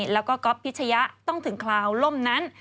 แล้วก็ก๊อฟพิชยะต้องถึงคราวล่มนั้น